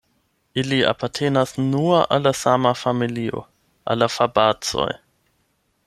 Ili apartenas nur al la sama familio, al la fabacoj.